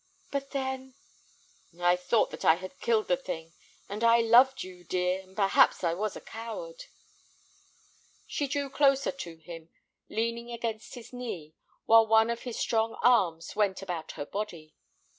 "But then—" "I thought that I had killed the thing, and I loved you, dear, and perhaps I was a coward." She drew closer to him, leaning against his knee, while one of his strong arms went about her body.